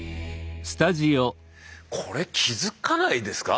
これ気付かないですか？